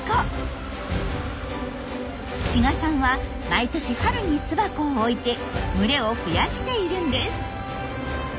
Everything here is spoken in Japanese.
志賀さんは毎年春に巣箱を置いて群れを増やしているんです。